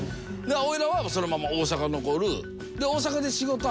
俺らはそのまま大阪残る。